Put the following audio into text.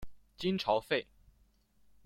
金朝废。